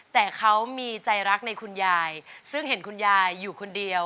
แต่เขามีใจรักในคุณยายซึ่งเห็นคุณยายอยู่คนเดียว